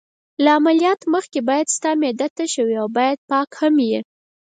له عملیاتو مخکې باید ستا معده تشه وي، باید پاک هم یې.